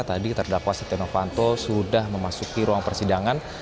tadi terdakwa setia novanto sudah memasuki ruang persidangan